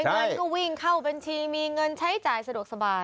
เงินก็วิ่งเข้าบัญชีมีเงินใช้จ่ายสะดวกสบาย